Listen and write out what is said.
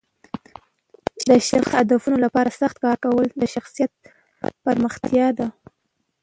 د شخصي هدفونو لپاره سخت کار کول د شخصیت پراختیا ده.